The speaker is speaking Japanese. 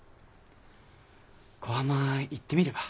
小浜行ってみれば？